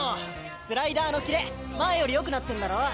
スライダーのキレ前より良くなってんだろ？